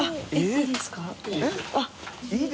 いいですよ。